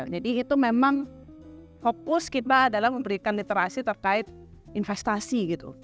jadi itu memang fokus kita adalah memberikan literasi terkait investasi gitu